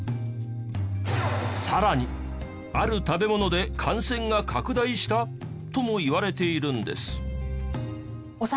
さらにある食べ物で感染が拡大したともいわれているんです。